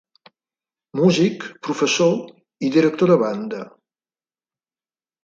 Músic, professor i director de banda.